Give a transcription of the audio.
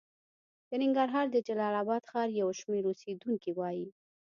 د ننګرهار د جلال اباد ښار یو شمېر اوسېدونکي وايي